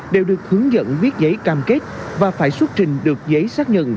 đều được hướng dẫn viết giấy cam kết và phải xuất trình được giấy xác nhận